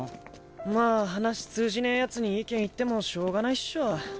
まあ話通じねぇヤツに意見言ってもしょうがないっしょ。